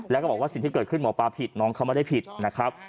แล้วก็บอกว่าสิ่งที่เกิดขึ้นหมอปลาผิดน้องเขาไม่ได้ผิดนะครับ